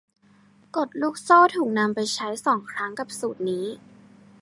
กฎลูกโซ่ถูกนำไปใช้สองครั้งกับสูตรนี้